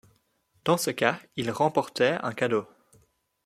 Dans ce cas, ils remportaient un cadeau.